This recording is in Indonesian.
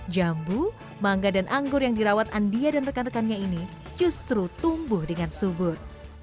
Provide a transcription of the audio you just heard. jambu mangga dan anggur yang dirawat andia dan rekan rekannya ini justru tumbuh dengan subur